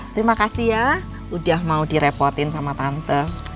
terima kasih ya udah mau direpotin sama tante